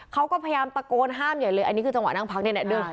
เขาก็พยายามตะโกนห้ามใหญ่เลยอันนี้คือจังหวะนั่งพักเนี่ยเดิน